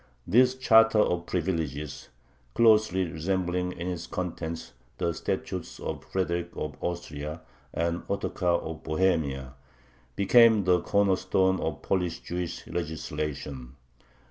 This charter of privileges, closely resembling in its contents the statutes of Frederick of Austria and Ottocar of Bohemia, became the corner stone of Polish Jewish legislation.